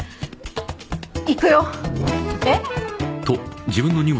行くよえっ？